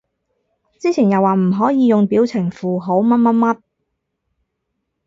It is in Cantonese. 之前又話唔可以用表情符號乜乜乜